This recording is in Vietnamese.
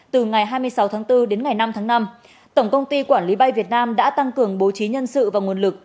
từ ngày hai mươi sáu tháng bốn đến ngày năm tháng năm tổng công ty quản lý bay việt nam đã tăng cường bố trí nhân sự và nguồn lực